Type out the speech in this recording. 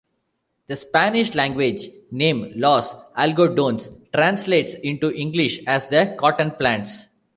The Spanish-language name "Los Algodones" translates into English as "the cotton plants".